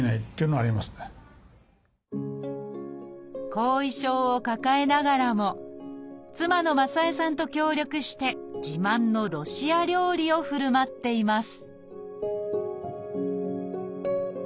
後遺症を抱えながらも妻の正恵さんと協力して自慢のロシア料理をふるまっています